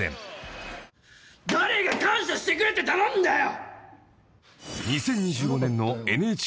「誰が感謝してくれって頼んだよ！」